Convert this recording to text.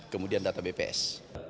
kemudian data bps